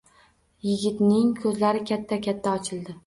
Yigitning ko`zlari katta-katta ochildi